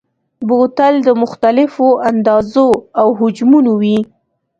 بوتل د مختلفو اندازو او حجمونو وي.